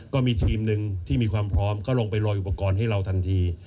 ก็มีทีมหนึ่งที่มีความพร้อมก็ลงไปรออุปกรณ์ให้เราทันที